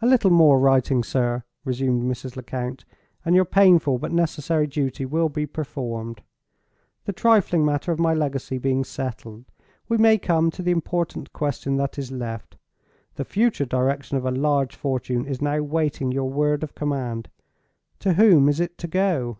"A little more writing, sir," resumed Mrs. Lecount, "and your painful but necessary duty will be performed. The trifling matter of my legacy being settled, we may come to the important question that is left. The future direction of a large fortune is now waiting your word of command. To whom is it to go?"